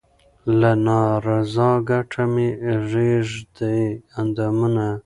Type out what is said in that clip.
له نا رضا کټه مې رېږدي اندامونه